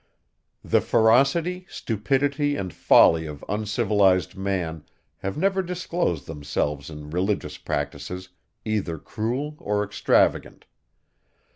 The ferocity, stupidity, and folly of uncivilized man have ever disclosed themselves in religious practices, either cruel or extravagant.